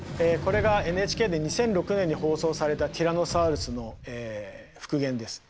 これがＮＨＫで２００６年に放送されたティラノサウルスの復元です。